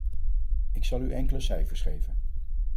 Ik zal u enkele cijfers geven.